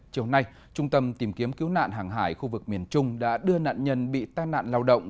chiều nay trung tâm tìm kiếm cứu nạn hàng hải khu vực miền trung đã đưa nạn nhân bị tai nạn lao động